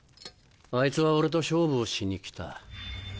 あいつは俺と勝負をしに来た。